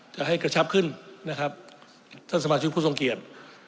จะให้กระชับขึ้นนะครับท่านสมาชิกผู้ทรงเกียจ